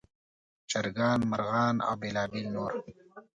چرګان، مرغان او بېلابېل نور.